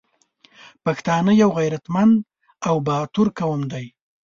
پښتانه یو غریتمند او باتور قوم دی